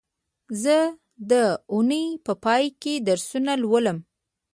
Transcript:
زه د اونۍ په پای کې درسونه لولم